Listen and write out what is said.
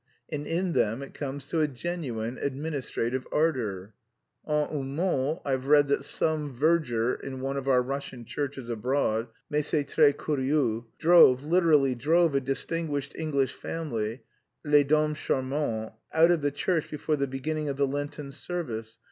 and in them it comes to a genuine, administrative ardour. En un mot, I've read that some verger in one of our Russian churches abroad mais c'est très curieux drove, literally drove a distinguished English family, les dames charmantes, out of the church before the beginning of the Lenten service...